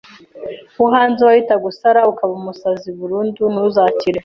wo hanze wahitaga usara ukaba umusazi burundu ntuzakire